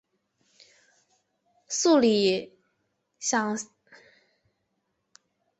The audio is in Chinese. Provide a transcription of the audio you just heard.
素理想定理即保证在给定的抽象代数中特定类型之子集的存在性之数学定理。